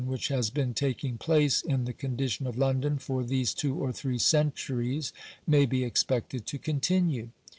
383 which has been taking place in the condition of London for these two or three centuries, may be expected to continue.